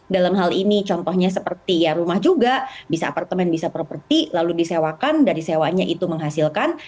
dalam hal ini contohnya seperti ya rumah juga bisa apartemen bisa properti lalu disewakan dari sewanya itu menghasilkan